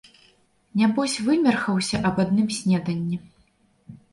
Нябось вымерхаўся аб адным снеданні.